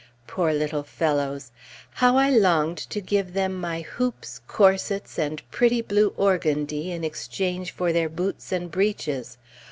Poor little fellows! How I longed to give them my hoops, corsets, and pretty blue organdie in exchange for their boots and breeches!